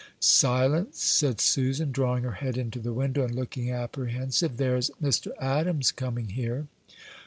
"Silence," said Susan, drawing her head into the window, and looking apprehensive, "there is Mr. Adams coming here."